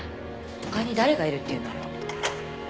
他に誰がいるっていうのよ。